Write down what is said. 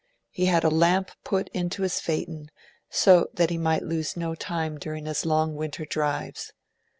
He had a lamp put into his phaeton, so that he might lose no time during his long winter drives.